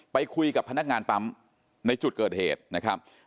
ไปคุยกับพนักงานปั๊มในจุดเกิดเหตุนะครับ